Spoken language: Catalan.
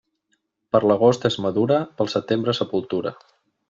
Per l'agost és madura; pel setembre, sepultura.